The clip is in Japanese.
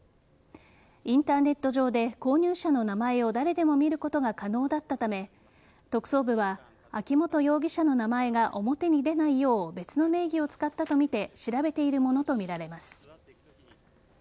インターネット上で購入者の名前を誰でも見ることが可能だったため特捜部は秋本容疑者の名前が表に出ないよう別の名義を使ったとみて調べているものとみられます。